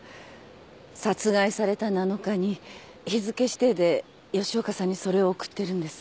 殺害された７日に日付指定で吉岡さんにそれを送ってるんです。